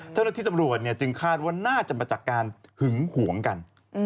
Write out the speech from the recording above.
เจ้าหน้าที่ตำรวจจึงคาดว่าน่าจะมาจากการหึงหวงกัน